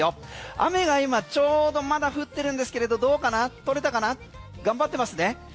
雨が今ちょうどまだ降ってるんですけどどうかな？頑張ってますね。